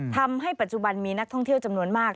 ทำให้ปัจจุบันมีนักท่องเที่ยวจำนวนมาก